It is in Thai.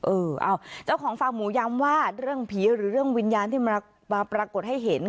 เออเอาเจ้าของฟาร์มหมูย้ำว่าเรื่องผีหรือเรื่องวิญญาณที่มาปรากฏให้เห็น